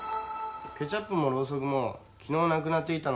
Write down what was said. ケチャップもろうそくも昨日なくなっていたのが。